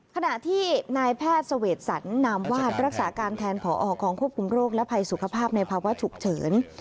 ขณะที่นายแพทย์เสวดสรรนามวาดรักษาการแทนผอกองควบคุมโรคและภัยสุขภาพในภาวะฉุกเฉิน